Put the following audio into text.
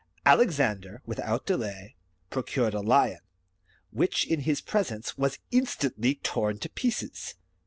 Alexander, without delay, procured a lion, which in his presence was instantly torn to pieces.